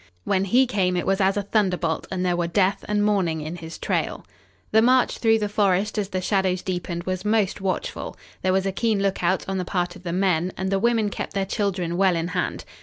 When he came it was as a thunderbolt and there were death and mourning in his trail. The march through the forest as the shadows deepened was most watchful. There was a keen lookout on the part of the men, and the women kept their children well in hand.